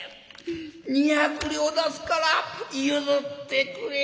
２百両出すから譲ってくれ！」。